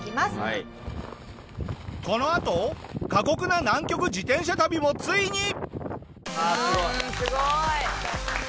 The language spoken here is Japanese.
このあと過酷な南極自転車旅もついに。